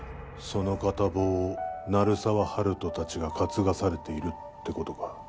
その片棒を鳴沢温人達が担がされているってことか